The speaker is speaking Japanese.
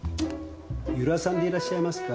由良さんでいらっしゃいますか？